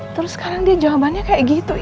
terus sekarang dia jawabannya kayak gitu